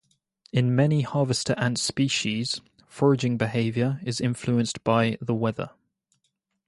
In many harvester ant species, foraging behavior is influenced by the weather.